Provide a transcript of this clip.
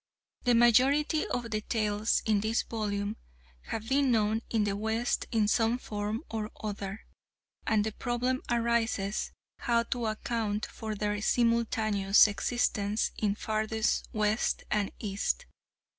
The majority of the tales in this volume have been known in the West in some form or other, and the problem arises how to account for their simultaneous existence in farthest West and East.